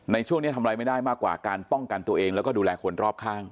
ในช่วงนี้ทำอะไรไม่ได้มากกว่าการป้องกันตัวเองแล้วก็ดูแลคนรอบข้าง